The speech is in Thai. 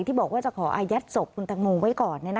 บอกว่าจะขออายัดศพคุณตังโมไว้ก่อน